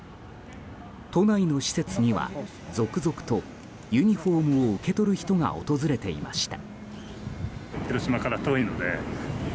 都内の施設には続々とユニホームを受け取る人が訪れていました。